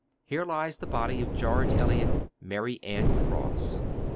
HERE LIES THE BODY OF GEORGE ELIOT, MARY ANN CROSS.